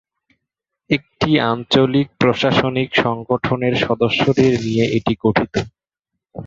একটি আঞ্চলিক প্রশাসনিক সংগঠনের সদস্যদের নিয়ে এটি গঠিত।